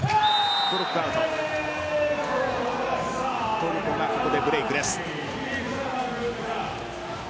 トルコがここでブレークです。